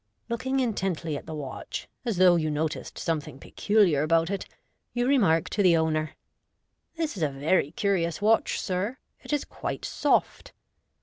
Looking intently at the watch, as though you noticed something peculiar about it, you remark to the owner, •' This is a very curious watch, sir j it is quite soft."